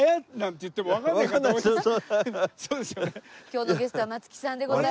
今日のゲストは松木さんでございます。